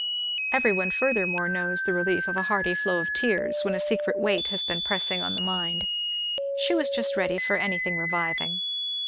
Every one furthermore knows the relief of a hearty flow of tears when a secret weight has been pressing on the mind. She was just ready for anything reviving.